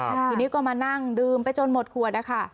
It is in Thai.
ทีนี้ก็มานั่งดื่มไปจนหมดขวดนะคะ